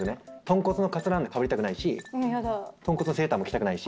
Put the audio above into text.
とんこつのかつらなんかかぶりたくないしとんこつのセーターも着たくないし。